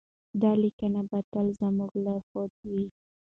دا لیکنې به تل زموږ لارښود وي.